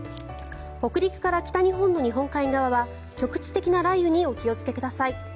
北陸から北日本の日本海側は局地的な雷雨にお気をつけください。